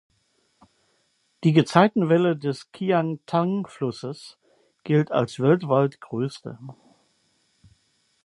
Die Gezeitenwelle des Qiantang-Flusses gilt als weltweit größte.